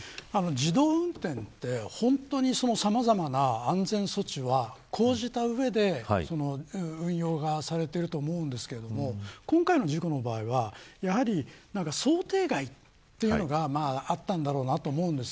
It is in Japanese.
自動運転って本当にさまざまな安全措置は講じた上で運用がされていると思うんですけれども今回の事故の場合は、やはり想定外というのがあったんだろうなと思うんです。